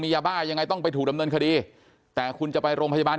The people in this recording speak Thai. ยาบ้ายังไงต้องไปถูกดำเนินคดีแต่คุณจะไปโรงพยาบาล